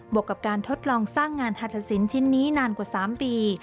วกกับการทดลองสร้างงานหัฐศิลปชิ้นนี้นานกว่า๓ปี